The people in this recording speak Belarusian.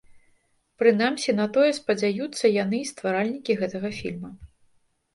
Прынамсі на тое спадзяюцца яны й стваральнікі гэтага фільма.